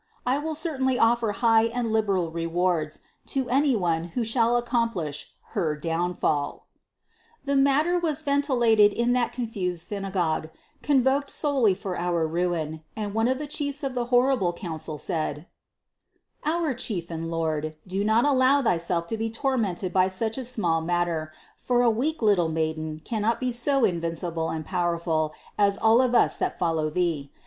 I will certainly offer high and liberal rewards to any one who shall accomplish her downfall." 692. The matter was ventilated in that confused synagogue, convoked solely for our ruin, and one of the chiefs of the horrible council said : "Our chief and Lord, do not allow thyself to be tormented by such a small matter, for a weak little Maiden cannot be so invincible and powerful as all of us that follow thee.